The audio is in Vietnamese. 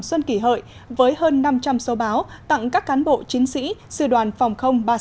xuân kỳ hợi với hơn năm trăm linh số báo tặng các cán bộ chính sĩ sư đoàn phòng ba trăm sáu mươi ba